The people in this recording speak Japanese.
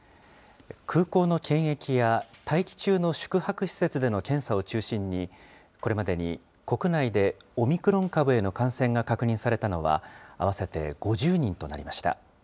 空港の検疫や待機中の宿泊施設での検査を中心に、これまでに国内でオミクロン株への感染が確認されたのは、合わせて５０人となりました。